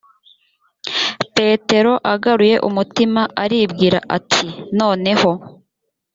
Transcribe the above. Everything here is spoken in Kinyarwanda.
petero agaruye umutima aribwira ati noneho